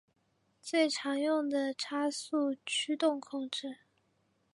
最常用的是差速驱动控制。